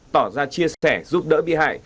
tỏ ra chia sẻ giúp đỡ bị hại